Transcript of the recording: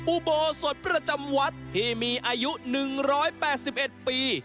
อุโบสถประจำวัดที่มีอายุ๑๘๑ปี